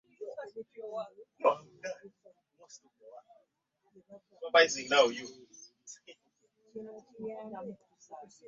Kino kyali mu bukiikakkono bw'eggwanga lino erya Ghana.